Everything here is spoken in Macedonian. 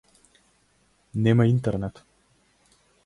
Нема интернет.